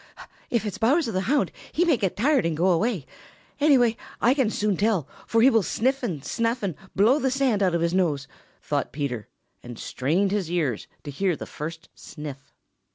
"If it's Bowser the Hound, he may get tired and go away. Anyway, I can soon tell, for he will sniff and snuff and blow the sand out of his nose," thought Peter, and strained his ears to hear the first sniff.